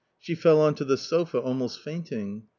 She fell on to the sofa, almost fainting.